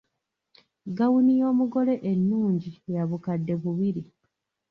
Gawuni y’omugole ennungi ya bukaddde bubiri.